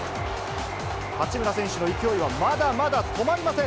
八村選手の勢いはまだまだ止まりません。